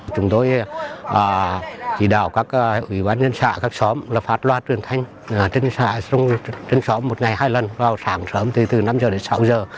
chúng tôi chỉ đạo các ủy ban nhân xã các xóm là phát loa truyền thanh trên xã trên xóm một ngày hai lần vào sáng sớm từ năm giờ đến sáu giờ